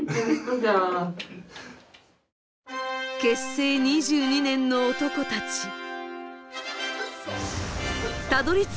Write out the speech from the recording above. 結成２２年の男たち。